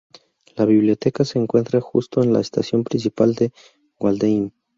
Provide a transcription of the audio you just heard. La biblioteca se encuentra justo en la estación principal de Waldheim.